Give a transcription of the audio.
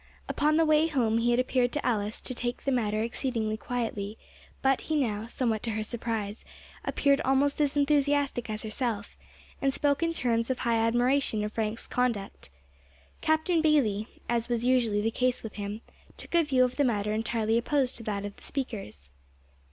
Upon the way home he had appeared to Alice to take the matter exceedingly quietly, but he now, somewhat to her surprise, appeared almost as enthusiastic as herself, and spoke in terms of high admiration of Frank's conduct. Captain Bayley, as was usually the case with him, took a view of the matter entirely opposed to that of the speakers.